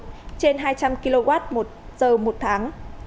trên hai trăm linh kwh một giờ một tháng